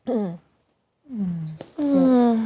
อืม